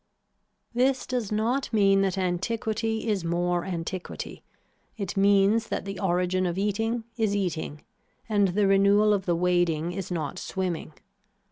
This does not mean that antiquity is more antiquity, it means that the origin of eating is eating and the renewal of the wading is not swimming.